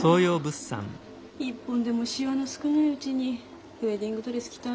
一本でもしわの少ないうちにウエディングドレス着たいわ。